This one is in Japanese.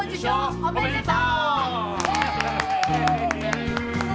おめでとう。